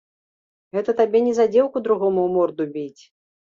Гэта табе не за дзеўку другому ў морду біць!